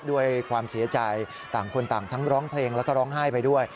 ด้วยความเสียใจต่างคนต่างทั้งร้องเพลงแล้วก็ร้องไห้ไปด้วย